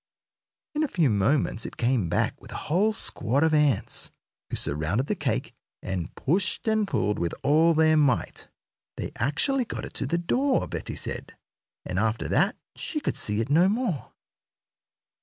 In a few moments it came back with a whole squad of ants, who surrounded the cake and pushed and pulled with all their might. They actually got it to the door, Betty said, and after that she could see it no more.